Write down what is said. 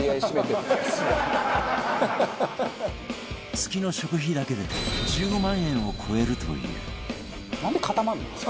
月の食費だけで１５万円を超えるという